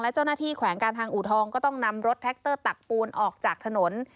และเจ้าหน้าที่แขวงการทางอูทองก็ต้องนำรถแท็กเตอร์ตักปูนออกจากถนน